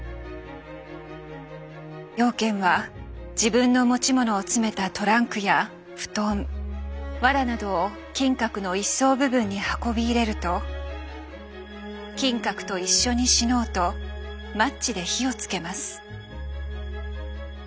養賢は自分の持ち物を詰めたトランクや布団わらなどを金閣の１層部分に運び入れると金閣と一緒に死のうとマッチで火をつけます。